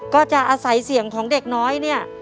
ก็จะอาศัยเสียงของเด็กน้อยเนี่ย